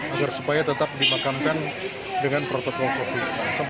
agar supaya tetap dimakamkan dengan protokol covid